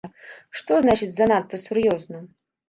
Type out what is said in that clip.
Што значыць, занадта сур'ёзна?